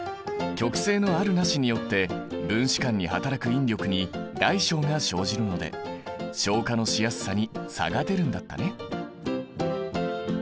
極性のあるなしによって分子間にはたらく引力に大小が生じるので昇華のしやすさに差が出るんだったね。